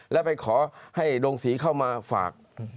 แล้วไปขอให้โรงศรีเข้ามาฝาก